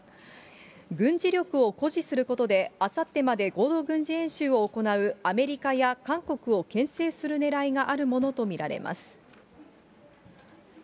軍事力を誇示することであさってまで合同軍事演習を行うアメリカや韓国をけん制するねらいがあるものと見られます。